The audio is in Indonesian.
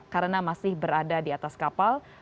karena masih berada di atas kapal